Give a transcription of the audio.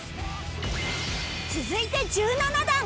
続いて１７段！